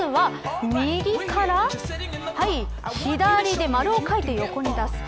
まずは右から左で丸を描いて、横に出す。